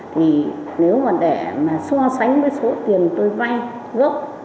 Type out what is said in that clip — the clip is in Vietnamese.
thì nếu mà để mà so sánh với số tiền tôi vay gốc